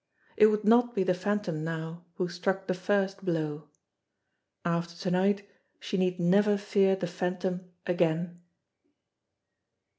It would not be the Phantom now who struck the first blow. After to night she need never fear the Phantom again.